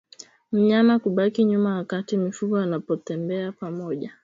Mnyama kubaki nyuma wakati mifugo wanapotembea pamoja